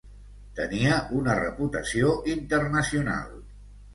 Tenia una reputació internacional.